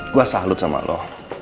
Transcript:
gua salut sama lu